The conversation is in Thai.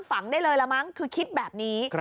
ฝังได้เลยละมั้งคือคิดแบบนี้